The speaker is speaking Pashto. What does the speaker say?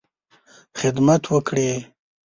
خدمت وکړې.